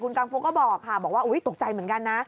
คุณกังฟูก็บอกค่ะบอกว่าอุ๊ยตกใจเหมือนกันนะ